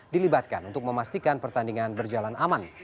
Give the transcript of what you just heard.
dilibatkan untuk memastikan pertandingan berjalan aman